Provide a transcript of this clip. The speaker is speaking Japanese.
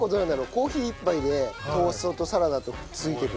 コーヒー１杯でトーストとサラダと付いてくるって。